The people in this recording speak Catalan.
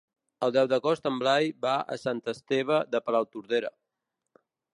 El deu d'agost en Blai va a Sant Esteve de Palautordera.